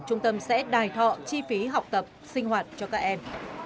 trung tâm sẽ đài thọ chi phí học tập sinh hoạt cho các em